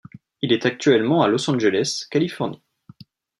Il est actuellement à Los Angeles, Californie.